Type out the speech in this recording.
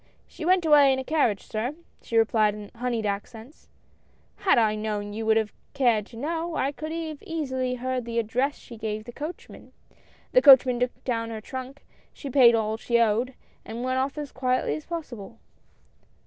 " She went away in a carriage, sir," she replied in honeyed accents;" had I known you would have cared to know, I could have easily heard the address she gave the coachman. The coachman took down her trunk, she paid all she owed, and went off as quietly as possible."